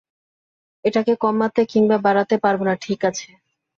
এটাকে কমাতে কিংবা বাড়াতে পারব না, ঠিক আছে?